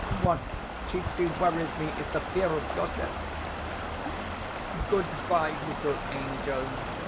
What chiefly worries me is the fear of gossip. Goodbye, little angel.